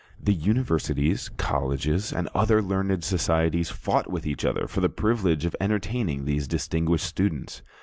The universities, colleges, and other learned societies fought with each other for the privilege of entertaining these distinguished students.